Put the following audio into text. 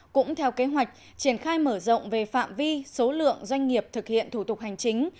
cũng theo kế hoạch triển khai mở rộng về phạm vi số lượng doanh nghiệp thực hiện thủ tục hành chính